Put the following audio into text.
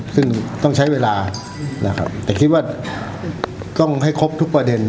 ซึ่งต้องใช้เวลานะครับแต่คิดว่าต้องให้ครบทุกประเด็น